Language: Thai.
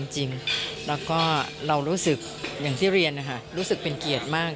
จริงแล้วก็เรารู้สึกอย่างที่เรียนนะคะรู้สึกเป็นเกียรติมาก